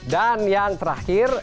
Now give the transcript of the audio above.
dan yang terakhir